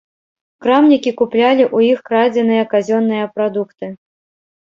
Крамнікі куплялі ў іх крадзеныя казённыя прадукты.